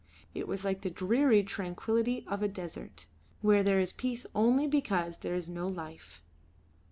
It was like the dreary tranquillity of a desert, where there is peace only because there is no life.